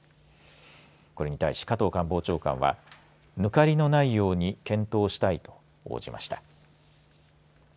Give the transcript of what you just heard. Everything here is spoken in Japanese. これに対し、加藤官房長官はぬかりのないように検討したいと応じました。